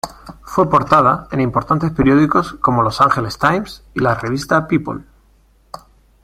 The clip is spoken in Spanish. Fue portada en importantes periódicos como Los Angeles Times y la revista People.